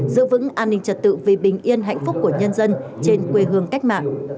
giữ vững an ninh trật tự vì bình yên hạnh phúc của nhân dân trên quê hương cách mạng